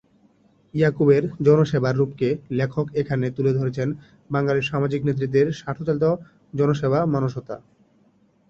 ইয়াকুবের জনসেবার রূপকে লেখক এখানে তুলে ধরেছেন বাঙালির সামাজিক নেতৃত্বের স্বার্থচালিত জনসেবা-মানসতা।